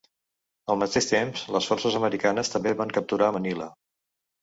Al mateix temps, les forces americanes també van capturar Manila.